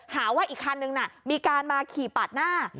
หาว่าอีกคันนึงมีการมาขี่ปาดหน้า